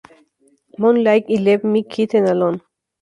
Moonlight" y "Leave My Kitten Alone".